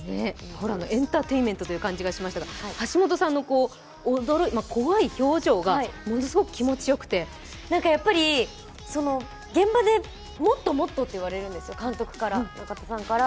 ホラーのエンターテインメントという感じがしましたが、橋本さんの怖い表情がものすごく気持ちよくて現場でもっともっとって言われるんですよ、監督さんから。